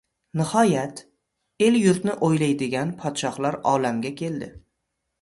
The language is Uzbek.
Nihoyat, el-yurtni o‘ylaydigan podsholar olamga keldi.